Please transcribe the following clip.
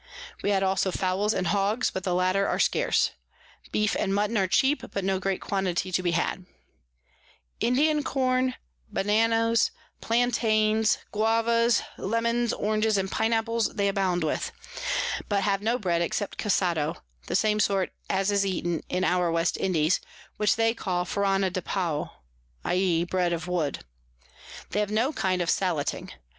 We had also Fowls and Hogs, but the latter are scarce; Beef and Mutton are cheap, but no great quantity to be had; Indian Corn, Bonanoes, Plantanes, Guavas, Lemons, Oranges, and Pine Apples they abound with; but have no Bread except Cassado (the same sort as is eaten in our West Indies) which they call Farana depau, i.e. Bread of Wood. They have no kind of Salleting.